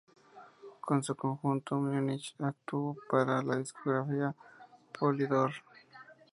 Con su conjunto de Múnich actuó para la discográfica Polydor.